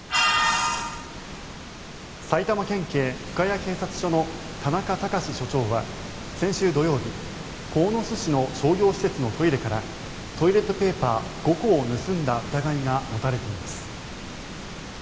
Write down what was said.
埼玉県警深谷警察署の田中敬署長は先週土曜日鴻巣市の商業施設のトイレからトイレットペーパー５個を盗んだ疑いが持たれています。